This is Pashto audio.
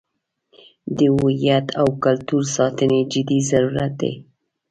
د هویت او کلتور ساتنې جدي ضرورت دی.